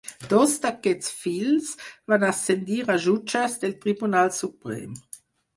Dos d'aquests fills van ascendir a jutges del Tribunal Suprem.